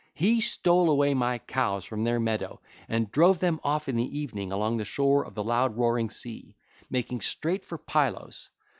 He stole away my cows from their meadow and drove them off in the evening along the shore of the loud roaring sea, making straight for Pylos.